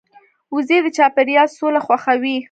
وزې د چاپېریال سوله خوښوي